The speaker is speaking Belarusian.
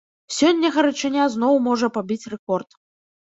Сёння гарачыня зноў можа пабіць рэкорд.